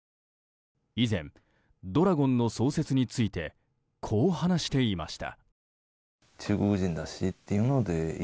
以前、怒羅権の創設についてこう話していました。